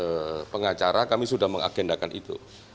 tentu saja ada yang mengundurkan diri dan mengundurkan pendapatan dari pengacara